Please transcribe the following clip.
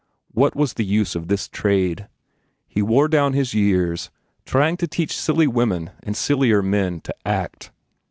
What was the use of this trade? He wore down his years trying to teach silly women and sillier men to act.